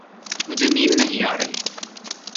مجھے نیند نہیں آ رہی۔